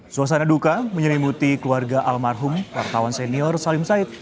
suasana duka menyelimuti keluarga almarhum wartawan senior salim said